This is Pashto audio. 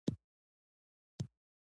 دلته ژوند ښکلی دی.